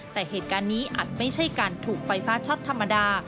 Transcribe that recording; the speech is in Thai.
แต่เหตุการณ์นี้อาจไม่ใช่การถูกไฟฟ้าช็อตธรรมดา